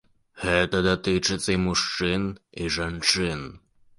Гэта датычыцца і мужчын, і жанчын.